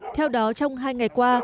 theo đó trong hai ngày qua